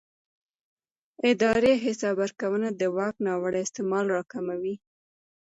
اداري حساب ورکونه د واک ناوړه استعمال راکموي